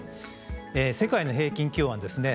世界の平均気温はですね